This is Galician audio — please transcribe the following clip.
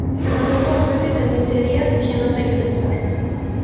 Se pasou dúas veces en vinte días, xa non sei que pensar.